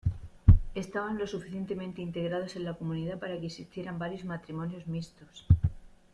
Estaban lo suficientemente integrados en la comunidad para que existieran varios matrimonios mixtos.